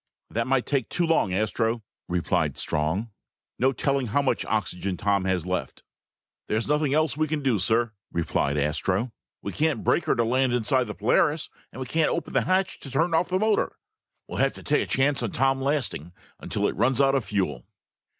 "That might take too long, Astro," replied Strong. "No telling how much oxygen Tom has left." "There's nothing else we can do, sir," replied Astro. "We can't brake her to land inside the Polaris and we can't open the hatch to turn off the motor. We'll have to take a chance on Tom lasting until it runs out of fuel!"